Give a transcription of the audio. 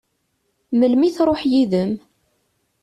Melmi i tṛuḥ yid-m?